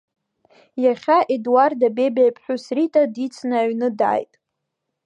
Иахьа Едуарда Бабиа иԥҳәыс Рита дицны аҩны дааит.